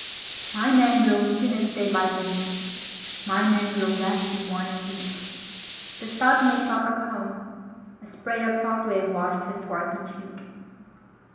'""My men grow mutinous day by day; My men grow ghastly wan and weak."The stout mate thought of home; a sprayOf salt wave washed his swarthy cheek.